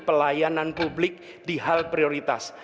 pelayanan publik di hal prioritas